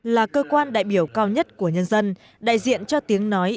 là cơ quan đại biểu cao nhất của nhân dân đại diện cho tiếng nói